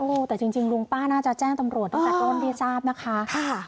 โอ้แต่จริงจริงลุงป้าน่าจะแจ้งตำรวจตัวสัตว์โดนดีทราบนะคะ